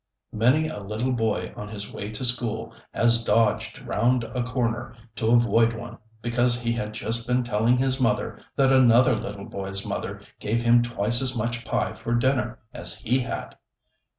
Many a little boy on his way to school has dodged round a corner to avoid one, because he had just been telling his mother that another little boy's mother gave him twice as much pie for dinner as he had.